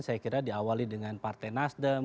saya kira diawali dengan partai nasdem